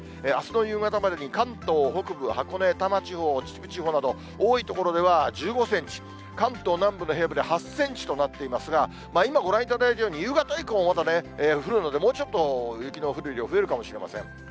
あすの夕方までに関東北部、箱根、多摩地方、秩父地方など、多い所では１５センチ、関東南部の平野部で８センチとなっていますが、今ご覧いただいたように、夕方以降もまだね、降るのでもうちょっと雪の降る量、増えるかもしれません。